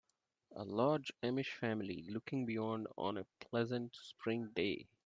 A large Amish family looking beyond on a pleasant, spring day